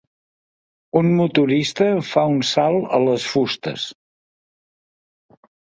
Un motorista fa un salt a les fustes.